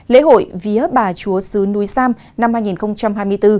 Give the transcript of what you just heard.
lễ hội vía bà chúa sứ núi sam năm hai nghìn hai mươi bốn